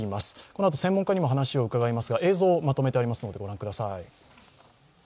このあと専門家にも話を伺いますが、映像をまとめてありますので、ご覧ください。